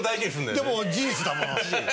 でも事実だもん。